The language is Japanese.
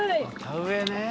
田植えね。